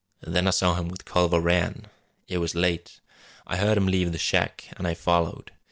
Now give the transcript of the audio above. Then I saw him with Culver Rann. It was late. I heard 'im leave the shack, an' I followed.